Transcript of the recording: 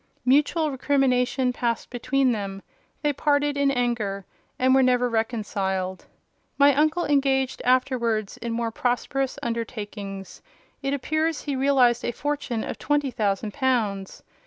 Mutual recrimination passed between them: they parted in anger, and were never reconciled. My uncle engaged afterwards in more prosperous undertakings: it appears he realised a fortune of twenty thousand pounds.